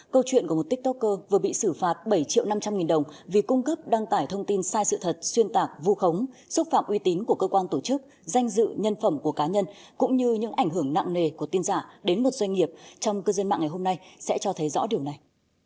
câu chuyện của một tiktoker vừa bị xử phạt bảy triệu năm trăm linh nghìn đồng vì cung cấp đăng tải thông tin sai sự thật xuyên tạc vu khống xúc phạm uy tín của cơ quan tổ chức danh dự nhân phẩm của cá nhân cũng như những ảnh hưởng nặng nề của tin giả đến một doanh nghiệp trong cư dân mạng ngày hôm nay sẽ cho thấy rõ điều này